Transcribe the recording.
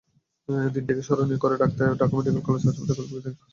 দিনটিকে স্মরণীয় করে রাখতে ঢাকা মেডিকেল কলেজ কর্তৃপক্ষ বিদায় সংবর্ধনার আয়োজন করে।